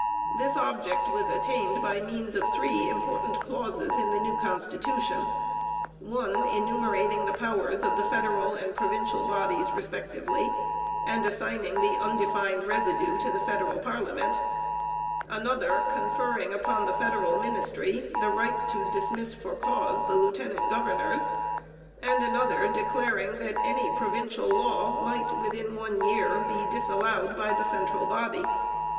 This object was attained by means of three important clauses in the new constitution: one enumerating the powers of the federal and provincial bodies respectively and assigning the undefined residue to the federal parliament; another conferring upon the federal ministry the right to dismiss for cause the lieutenant governors; and another declaring that any provincial law might, within one year, be disallowed by the central body.